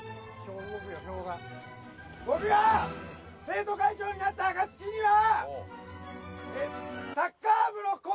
僕が生徒会長になった暁には！